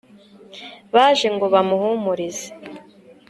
baje ngo bamuhumurize